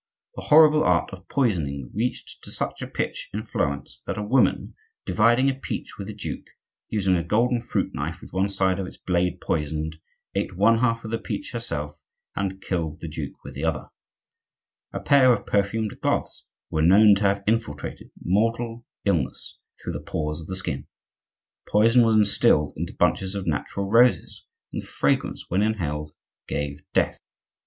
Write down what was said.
The horrible art of poisoning reached to such a pitch in Florence that a woman, dividing a peach with a duke, using a golden fruit knife with one side of its blade poisoned, ate one half of the peach herself and killed the duke with the other half. A pair of perfumed gloves were known to have infiltrated mortal illness through the pores of the skin. Poison was instilled into bunches of natural roses, and the fragrance, when inhaled, gave death.